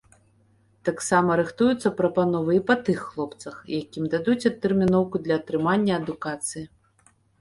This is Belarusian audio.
Таксама рыхтуюцца прапановы і па тых хлопцах, якім дадуць адтэрміноўку для атрымання адукацыі.